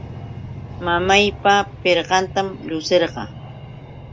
Mamaypa pirqantam llushirqaa.